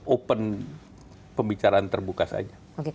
open pembicaraan terbuka saja